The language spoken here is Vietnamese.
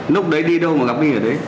lúc đấy đi đâu mà gặp my ở đấy